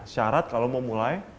syarat kalau mau mulai